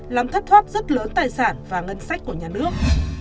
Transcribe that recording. làm thất thoát rất lớn tài sản và ngân sách của nhà nước